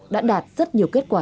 đã đạt rất nhiều kết quả